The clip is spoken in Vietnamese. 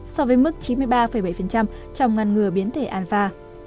so với mức chín mươi ba bảy trong ngăn ngừa biến thể anva